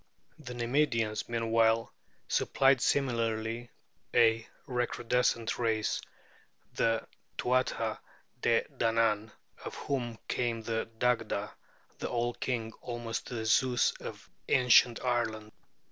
The Nemedians meanwhile supplied similarly a recrudescent race, the Tuatha Dé Danann, of whom came the Dagda, the all king, almost the Zeus of ancient Ireland.